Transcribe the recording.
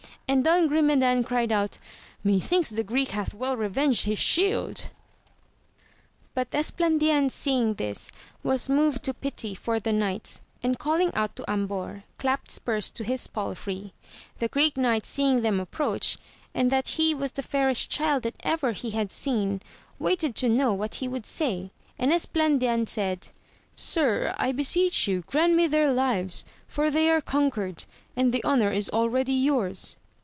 And Don Grume dan cried out, methinks the Greek hath well revenged his shield ! But Esplandian seeing this was moved to pity for the knights, and calling out to Ambor, clapt spurs to his palfrey, the Greek Knight seeing them approach, and that he was the fairest child that ever he had seen, waited to know what he would say, and Esplan dian said. Sir, I beseech you grant me their lives, for they are conquered, and the honour is already yours.